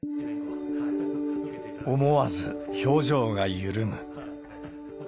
思わず表情が緩む。